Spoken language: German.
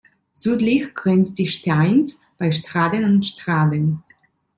Südlich grenzt die Stainz bei Straden an Straden.